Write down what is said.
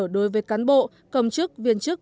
đối với cán bộ công chức viên chức